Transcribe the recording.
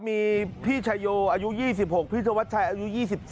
มีพี่ชายโยอายุ๒๖พี่ธวัดชัยอายุ๒๒